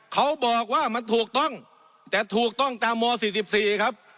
เขาบอกว่ามันถูกต้องแต่ถูกต้องตามม๔๔ครับ